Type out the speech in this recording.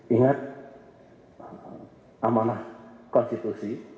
ingat amanah konstitusi